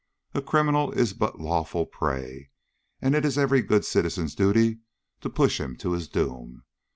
A criminal is but lawful prey, and it is every good citizen's duty to push him to his doom.